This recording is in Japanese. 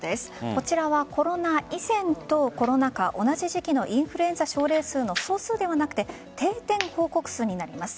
こちらはコロナ以前とコロナ禍、同じ時期のインフルエンザ症例数の総数ではなくて定点報告数になります。